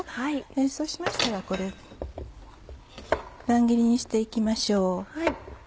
そうしましたら乱切りにして行きましょう。